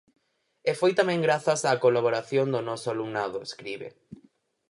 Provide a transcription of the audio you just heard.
E foi tamén grazas á colaboración do noso alumnado, escribe.